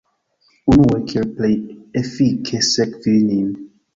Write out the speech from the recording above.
Unue, kiel plej efike sekvi nin